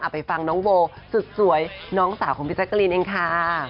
อ่ะไปฟังน้องโวสุดสวยน้องสาวของพิซากรีนเองค่ะ